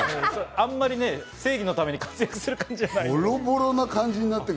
あんまり正義のために活躍する感じじゃないんですよね。